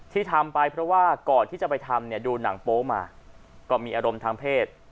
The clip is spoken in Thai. ที่ทำไปเพราะว่าก่อนที่จะไปทำเนี่ยดูหนังโป๊มาก็มีอารมณ์ทางเพศ